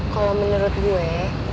kalo menurut gue